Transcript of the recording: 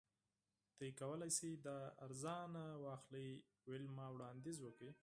تاسو کولی شئ دا ارزانه واخلئ ویلما وړاندیز وکړ